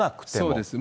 そうです。